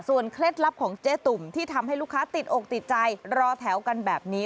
เคล็ดลับของเจ๊ตุ่มที่ทำให้ลูกค้าติดอกติดใจรอแถวกันแบบนี้